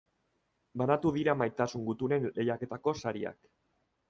Banatu dira Maitasun Gutunen lehiaketako sariak.